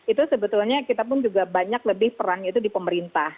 itu sebetulnya kita pun juga banyak lebih peran itu di pemerintah